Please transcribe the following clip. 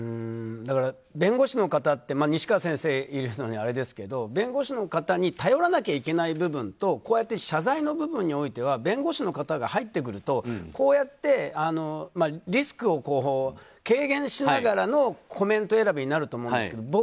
弁護士の方って西川先生がいるのにあれですけど弁護士の方に頼らなきゃいけない部分とこうやって謝罪の部分においては弁護士の方が入ってくるとこうやってリスクを軽減しながらのコメント選びになると思うんですけど